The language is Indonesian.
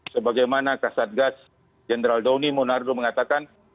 sebagaimana kasadgas jenderal downey monardo mengatakan